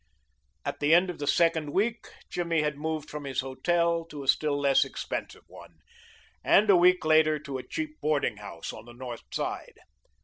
At the end of the second week Jimmy had moved from his hotel to a still less expensive one, and a week later to a cheap boarding house on the north side.